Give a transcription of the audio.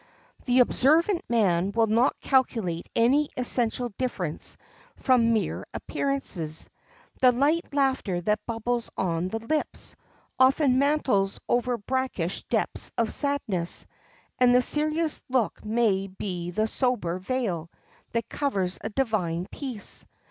The observant man will not calculate any essential difference from mere appearances. The light laughter that bubbles on the lips, often mantles over brackish depths of sadness, and the serious look may be the sober veil that covers a divine peace.